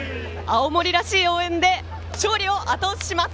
青森らしい応援で勝利をあと押しします。